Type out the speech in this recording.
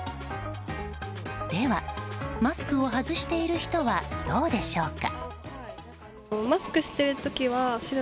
では、マスクを外している人はどうでしょうか。